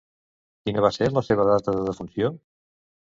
Quina va ser la seva data de defunció?